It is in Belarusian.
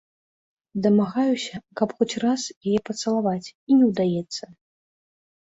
Дамагаюся, каб хоць раз яе пацалаваць, і не ўдаецца.